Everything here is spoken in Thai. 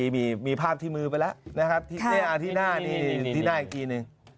มีภาพที่มือไปละนะครับที่หน้าอีกกี่นึง